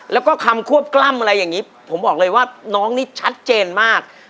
แล้วก็คำควบกล้ำอะไรอย่างนี้ผมบอกเลยว่าน้องนี่ชัดเจนมาก